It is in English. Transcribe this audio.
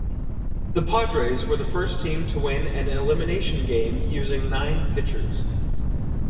The Padres were the first team to win an elimination game using nine pitchers.